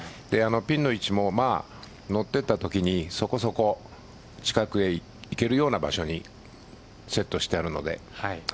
ピンの位置も乗っていった時にそこそこ近くへ行けるような場所にセットしてあるので。